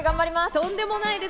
とんでもないです。